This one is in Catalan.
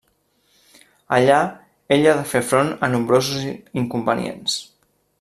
Allà ell ha de fer front a nombrosos inconvenients.